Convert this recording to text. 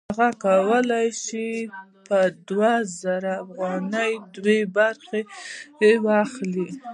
هغه کولی شي په دوه زره افغانیو دوه برخې واخلي